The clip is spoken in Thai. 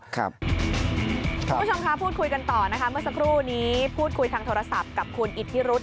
คุณผู้ชมคะพูดคุยกันต่อนะคะเมื่อสักครู่นี้พูดคุยทางโทรศัพท์กับคุณอิทธิรุธ